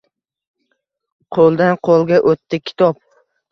Qoʼldan qoʼlga oʼtdi kitob